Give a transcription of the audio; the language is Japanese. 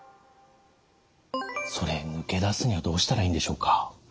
それ抜け出すにはどうしたらいいんでしょうか？